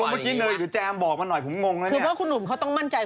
เมื่อกี้เนยหรือแจมบอกมาหน่อยผมงงนะเนี่ย